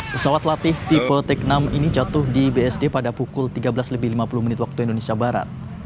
pesawat latih tipe tech enam ini jatuh di bsd pada pukul tiga belas lebih lima puluh menit waktu indonesia barat